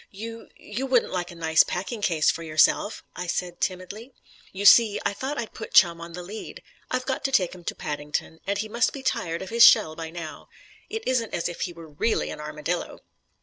"You you wouldn't like a nice packing case for yourself?" I said timidly. "You see, I thought I'd put Chum on the lead. I've got to take him to Paddington, and he must be tired of his shell by now. It isn't as if he were really an armadillo."